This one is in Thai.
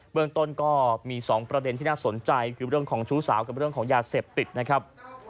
เมืองต้นก็มี๒ประเด็นที่น่าสนใจคือเรื่องของชู้สาวกับเรื่องของยาเสพติดนะครับ